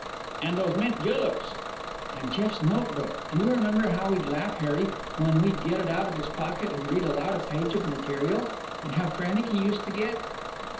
"And those mint juleps!" "And Jeff's note book! Do you remember how we'd laugh, Harry, when we'd get it out of his pocket and read aloud a page of material. And how frantic he used to get?"